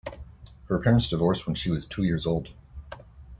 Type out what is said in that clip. Her parents divorced when she was two years old.